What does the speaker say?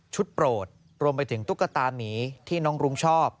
โปรดรวมไปถึงตุ๊กตามีที่น้องรุ้งชอบ